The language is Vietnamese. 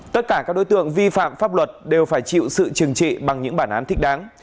tất cả các đối tượng vi phạm pháp luật đều phải chịu sự trừng trị bằng những bản án thích đáng